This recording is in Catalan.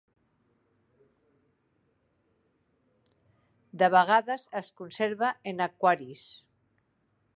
De vegades es conserva en aquaris.